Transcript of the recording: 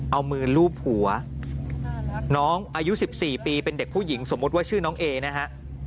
เอามือลูบหัวน้องอายุ๑๔ปีเป็นเด็กผู้หญิงสมมุติว่าชื่อน้องเอนะฮะ